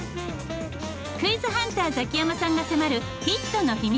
クイズハンターザキヤマさんが迫るヒットの秘密。